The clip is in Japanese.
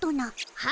はい。